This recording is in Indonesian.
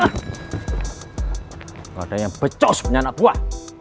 kalau ada yang becos punya anak buah